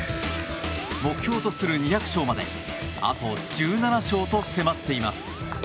目標とする２００勝まであと１７勝と迫っています。